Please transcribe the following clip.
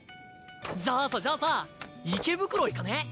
じゃあさじゃあさ池袋行かね？